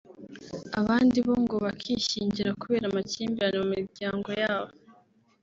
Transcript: abandi bo ngo bakishyingira kubera amakimbirane mu miryango yabo